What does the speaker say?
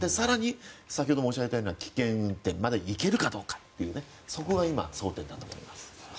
先ほど申し上げたような危険運転まで行けるかどうかがそこが今、争点だと思います。